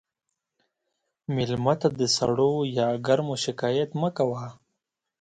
مېلمه ته د سړو یا ګرمو شکایت مه کوه.